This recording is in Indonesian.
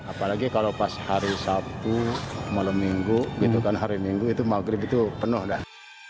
apalagi kalau pas hari sabtu malam minggu gitu kan hari minggu itu maghrib itu penuh dah